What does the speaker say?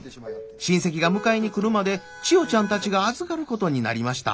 親戚が迎えに来るまで千代ちゃんたちが預かることになりました。